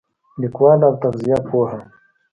لیکواله او تغذیه پوهه